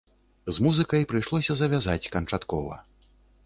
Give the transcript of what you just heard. З музыкай прыйшлося завязаць канчаткова.